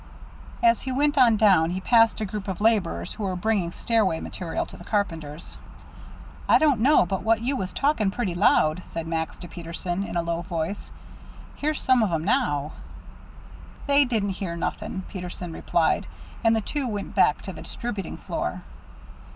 As he went on down he passed a group of laborers who were bringing stairway material to the carpenters. "I don't know but what you was talking pretty loud," said Max to Peterson, in a low voice. "Here's some of 'em now." "They didn't hear nothing," Peterson replied, and the two went back to the distributing floor.